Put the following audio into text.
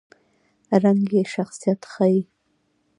رنګ یې شخصیت ښيي.